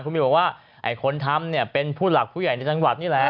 คุณมิวบอกว่าไอ้คนทำเนี่ยเป็นผู้หลักผู้ใหญ่ในจังหวัดนี่แหละ